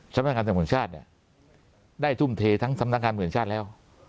สำนักการณ์สังควรชาติเนี่ยได้ทุ่มเททั้งสำนักการณ์สังควรชาติแล้ว